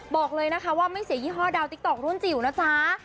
บอกเลยนะคะว่าไม่เสียยี่ห้อดาวติ๊กต๊อกรุ่นจิ๋วนะจ๊ะ